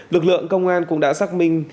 lực lượng công an cũng đã xác minh